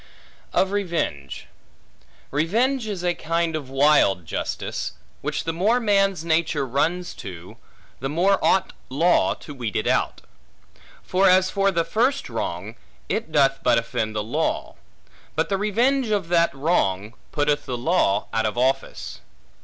Of Revenge REVENGE is a kind of wild justice; which the more man's nature runs to, the more ought law to weed it out. For as for the first wrong, it doth but offend the law; but the revenge of that wrong, putteth the law out of office.